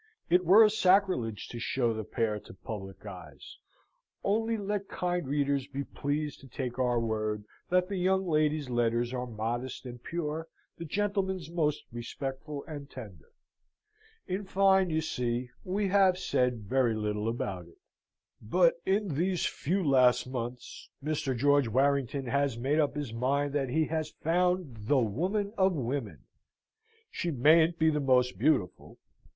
It were a sacrilege to show the pair to public eyes: only let kind readers be pleased to take our word that the young lady's letters are modest and pure, the gentleman's most respectful and tender. In fine, you see, we have said very little about it; but, in these few last months, Mr. George Warrington has made up his mind that he has found the woman of women. She mayn't be the most beautiful.